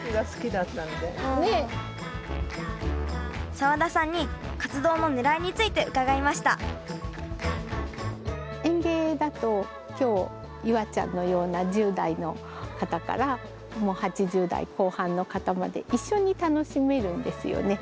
澤田さんに活動のねらいについて伺いました園芸だと今日夕空ちゃんのような１０代の方からもう８０代後半の方まで一緒に楽しめるんですよね。